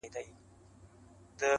چې د خوب لیدو نه مخکې